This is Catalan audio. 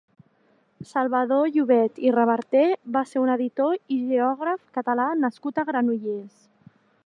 Salvador Llobet i Reverter va ser un editor i geograf catala nascut a Granollers.